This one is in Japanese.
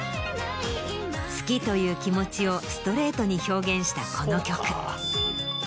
好きという気持ちをストレートに表現したこの曲。